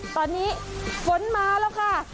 ตอนนี้ฝนมาแล้วค่ะ